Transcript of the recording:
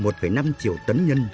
một năm triệu tấn nhân